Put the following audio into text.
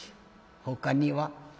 ほかには？」。